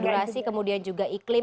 durasi kemudian juga iklim